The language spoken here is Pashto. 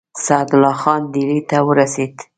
سعدالله خان ډهلي ته ورسېد.